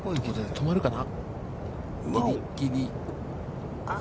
止まるかな？